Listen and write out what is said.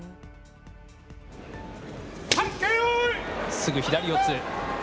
すぐ左四つ。